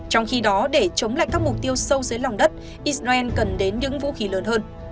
trong khi đó để chống lại các mục tiêu sâu dưới lòng đất israel cần đến những vũ khí lớn hơn